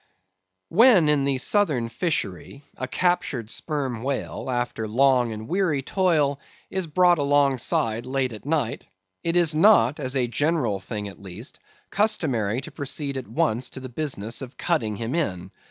When in the Southern Fishery, a captured Sperm Whale, after long and weary toil, is brought alongside late at night, it is not, as a general thing at least, customary to proceed at once to the business of cutting him in.